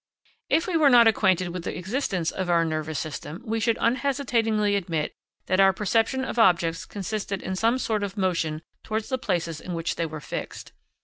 If we were not acquainted with the existence of our nervous system, we should unhesitatingly admit that our perception of objects consisted in some sort of motion towards the places in which they were fixed.